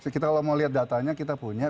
kita kalau mau lihat datanya kita punya